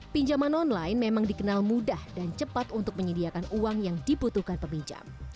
pinjaman online memang dikenal mudah dan cepat untuk menyediakan uang yang dibutuhkan peminjam